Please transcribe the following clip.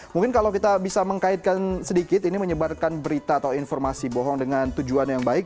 mungkin kalau kita bisa mengkaitkan sedikit ini menyebarkan berita atau informasi bohong dengan tujuan yang baik